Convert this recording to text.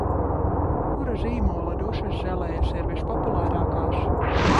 Kura zīmola dušas želejas ir vispopulārākās?